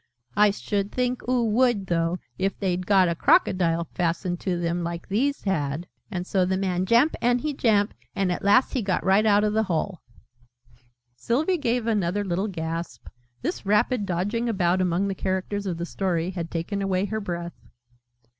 "I should think oo would, though, if they'd got a Crocodile fastened to them, like these had! And so the Man jamp, and he jamp, and at last he got right out of the hole." Sylvie gave another little gasp: this rapid dodging about among the characters of the Story had taken away her breath.